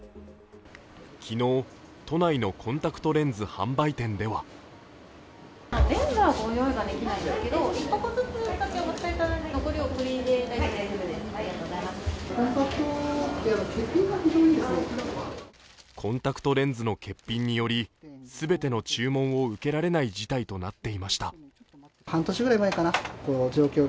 昨日、都内のコンタクトレンズ販売店ではコンタクトレンズの欠品により全ての注文を受けられない事態となっていました。